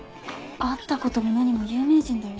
会ったことも何も有名人だよ。